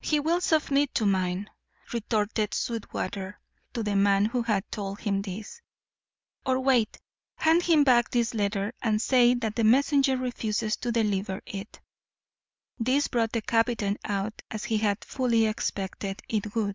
"He will submit to mine," retorted Sweetwater to the man who had told him this. "Or wait; hand him back this letter and say that the messenger refuses to deliver it." This brought the captain out, as he had fully expected it would.